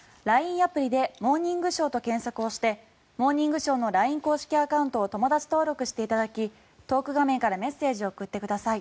アプリで「モーニングショー」と検索をして「モーニングショー」のＬＩＮＥ公式アカウントを友だち登録していただきトーク画面からメッセージを送ってください。